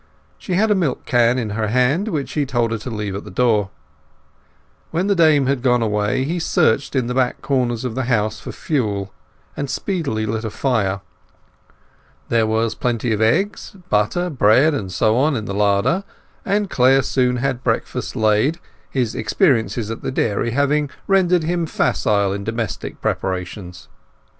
She had a milk can in her hand, which he told her to leave at the door. When the dame had gone away he searched in the back quarters of the house for fuel, and speedily lit a fire. There was plenty of eggs, butter, bread, and so on in the larder, and Clare soon had breakfast laid, his experiences at the dairy having rendered him facile in domestic preparations.